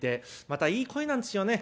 またいい声なんですよね。